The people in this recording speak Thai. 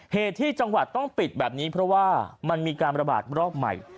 เหตุที่จังหวัดต้องปิดแบบนี้เพราะว่ามันมีการระบาดรอบใหม่